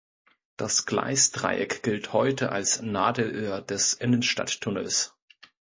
Das Gleisdreieck gilt heute als Nadelöhr des Innenstadttunnels.